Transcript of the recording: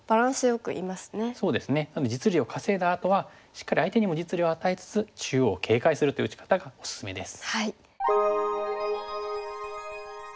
そうですねなので実利を稼いだあとはしっかり相手にも実利を与えつつ中央を警戒するという打ち方がおすすめです。